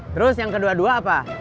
terus yang kedua dua apa